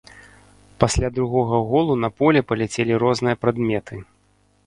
Пасля другога голу на поле паляцелі розныя прадметы.